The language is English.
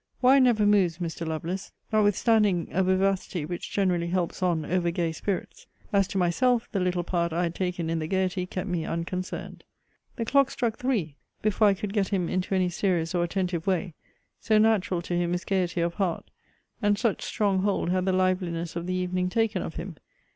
Wine never moves Mr. Lovelace, notwithstanding a vivacity which generally helps on over gay spirits. As to myself, the little part I had taken in the gaiety kept me unconcerned. The clock struck three before I could get him into any serious or attentive way so natural to him is gaiety of heart; and such strong hold had the liveliness of the evening taken of him.